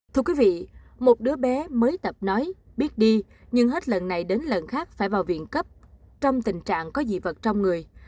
thưa quý vị một đứa bé mới tập nói biết đi nhưng hết lần này đến lần khác phải vào viện cấp trong tình trạng có dị vật trong người